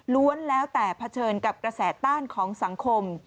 แล้วแต่เผชิญกับกระแสต้านของสังคม